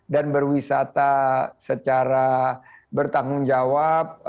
dan berwisata secara bertanggung jawab